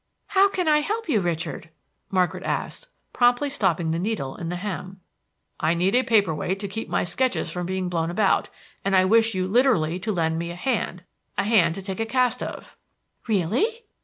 "How can I help you, Richard?" Margaret asked, promptly stopping the needle in the hem. "I need a paper weight to keep my sketches from being blown about, and I wish you literally to lend me a hand, a hand to take a cast of." "Really?"